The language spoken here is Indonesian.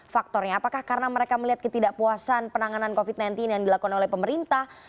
faktornya apakah karena mereka melihat ketidakpuasan penanganan covid sembilan belas yang dilakukan oleh pemerintah